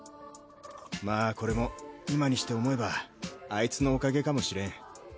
まあこれも今にして思えばアイツのおかげかもしれん。